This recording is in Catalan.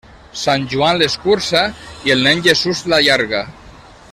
Sant Joan l'escurça i el Nen Jesús l'allarga.